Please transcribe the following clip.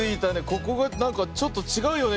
ここがなんかちょっとちがうよね